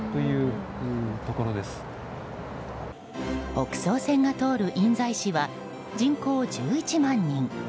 北総線が通る印西市は人口１１万人。